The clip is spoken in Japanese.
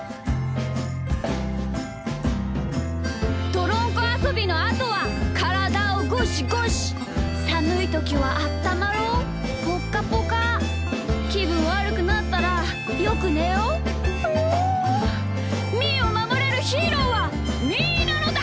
「どろんこあそびのあとはからだをゴシゴシ」「さむいときはあったまろうぽっかぽか」「きぶんわるくなったらよくねよう！」「みーをまもれるヒーローはみーなのだ！」